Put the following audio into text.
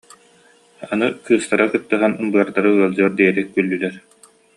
Аны кыыстара кыттыһан, быардара ыалдьыар диэри күллүлэр